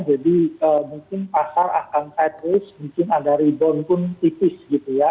jadi mungkin pasar akan sideways mungkin ada rebound pun tipis gitu ya